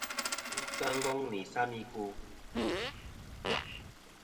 Ghɨ kya Ngong nɨ isam i kwo.